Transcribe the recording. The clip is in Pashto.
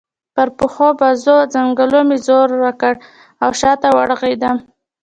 پر پښو، بازو او څنګلو مې زور وکړ او شا ته ورغړېدم.